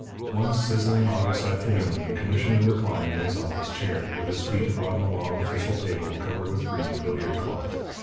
One sizzling August afternoon the commissioner reclined in his office chair, with his feet upon the long, official table covered with green billiard cloth.